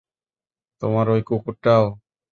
তোমার ওই কুকুরটাও!